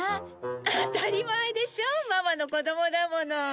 当たり前でしょママの子供だもの。